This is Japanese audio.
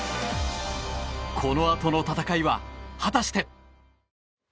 このあとの戦いは果たして。